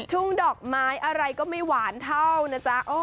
ทุ่งดอกไม้อะไรก็ไม่หวานเท่านะจ๊ะ